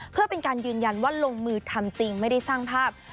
เพื่อเป็นการยืนยันว่าลงมือทำจริงไม่ได้สร้างภาพ